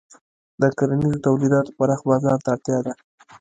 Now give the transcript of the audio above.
د کرنیزو تولیداتو پراخ بازار ته اړتیا ده.